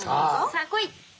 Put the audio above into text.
さあこい！